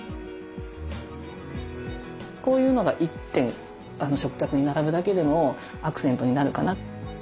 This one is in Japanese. こういうのが１点食卓に並ぶだけでもアクセントになるかな。